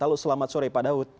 halo selamat sore pak daud